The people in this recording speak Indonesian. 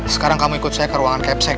sekarang kamu ikut saya ke ruangan kek seks